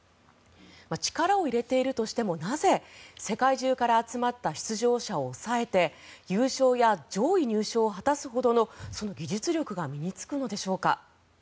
力を入れているとしてもなぜ世界中から集まった出場者を抑えて優勝者上位入賞を果たすほどの技術力が身につくのでしょうか。